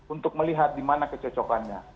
untuk melihat dimana kecocokannya